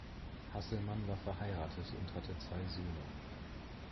Hasselmann war verheiratet und hatte zwei Söhne.